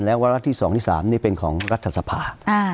และวาระที่๒ที่๓นี่เป็นของรัฐสภา